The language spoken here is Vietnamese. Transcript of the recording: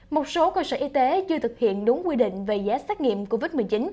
một số cơ sở y tế chưa thực hiện đúng quy định về giá xét nghiệm covid một mươi chín